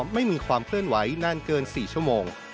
ไม่มีความเคลื่อนไหวนานเกิน๔ชั่วโมง